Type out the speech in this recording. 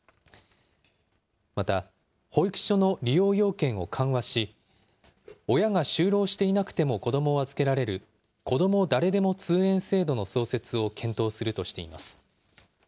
また、保育所の利用要件を緩和し、親が就労していなくても子どもを預けられる、こども誰でも通園制度の創設を検討するとしています。